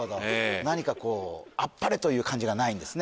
何かこうあっぱれという感じがないんですね